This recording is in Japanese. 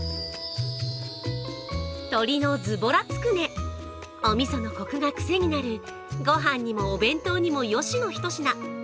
鶏のズボラつくね、おみそのこくが癖になる御飯にもお弁当にもよしの一品。